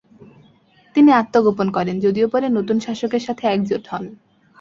তিনি আত্মগোপন করেন, যদিও পরে নতুন শাসকের সাথে একজোট হন।